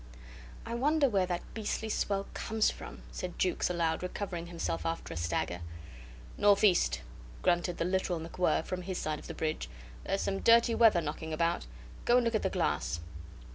"I wonder where that beastly swell comes from," said Jukes aloud, recovering himself after a stagger. "North east," grunted the literal MacWhirr, from his side of the bridge. "There's some dirty weather knocking about. Go and look at the glass."